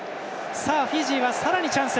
フィジーは、さらにチャンス。